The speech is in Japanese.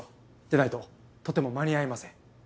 でないととても間に合いません。